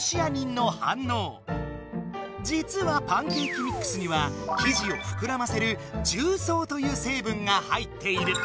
じつはパンケーキミックスには生地をふくらませるじゅうそうという成分が入っている。